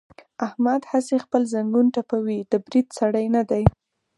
احمد هسې خپل زنګون ټپوي، د برید سړی نه دی.